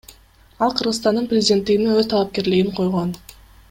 Ал Кыргызстандын президенттигине өз талапкерлигин койгон.